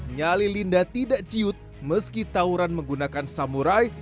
nyali linda tidak ciut meski tawuran menggunakan samurai